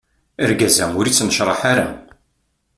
Argaz-a ur ittnecraḥ ara.